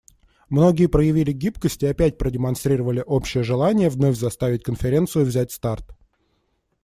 Многие проявили гибкость и опять продемонстрировали общее желание вновь заставить Конференцию взять старт.